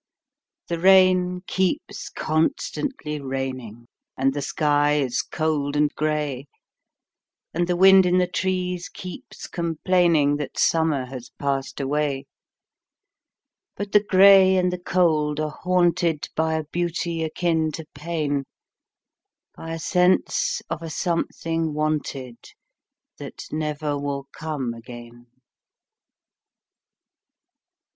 The rain keeps constantly raining, And the sky is cold and gray, And the wind in the trees keeps complainingThat summer has passed away;—But the gray and the cold are hauntedBy a beauty akin to pain,—By a sense of a something wanted, That never will come again.